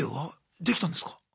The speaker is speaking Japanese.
できたんですか？